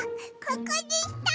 ここでした！